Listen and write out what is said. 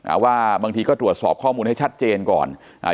อ่าว่าบางทีก็ตรวจสอบข้อมูลให้ชัดเจนก่อนอ่า